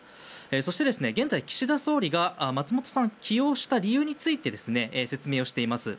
そして、現在、岸田総理が松本さんを起用した理由について説明をしています。